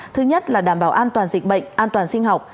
thứ nhất là đảm bảo an toàn dịch bệnh an toàn sinh học